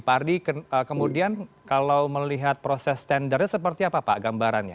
pak ardi kemudian kalau melihat proses tendernya seperti apa pak gambarannya